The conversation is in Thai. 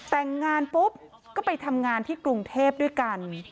แต่งงานปุ๊บก็ไปทำงานที่กรุงเทพด้วยกัน